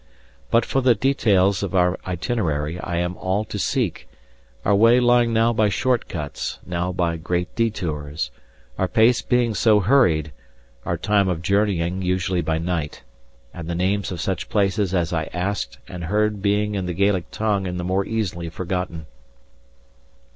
But for the details of our itinerary, I am all to seek; our way lying now by short cuts, now by great detours; our pace being so hurried, our time of journeying usually by night; and the names of such places as I asked and heard being in the Gaelic tongue and the more easily forgotten.